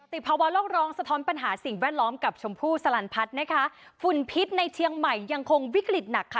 ภาวะโลกร้องสะท้อนปัญหาสิ่งแวดล้อมกับชมพู่สลันพัฒน์นะคะฝุ่นพิษในเชียงใหม่ยังคงวิกฤตหนักค่ะ